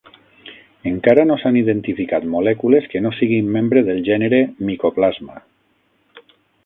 Encara no s'han identificat molècules que no siguin membre del gènere "Mycoplasma".